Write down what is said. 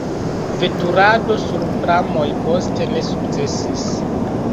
Veturado sur pramoj poste ne sukcesis.